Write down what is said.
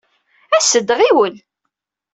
As-d, ɣiwel!